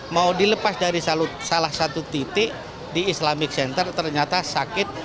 mau dilepas dari salah satu titik di islamic center ternyata sakit